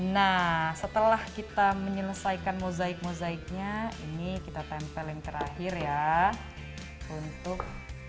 nah setelah kita menyelesaikan mozaik mozaiknya ini kita tempel yang terakhir ya untuk